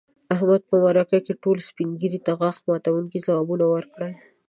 احمد په مرکه کې ټولو سپین ږیرو ته غاښ ماتونکي ځوابوه ورکړل.